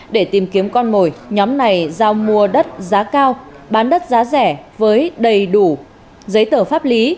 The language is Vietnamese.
để tìm kiếm con mồi nhóm này giao mua đất giá cao bán đất giá rẻ với đầy đủ giấy tờ pháp lý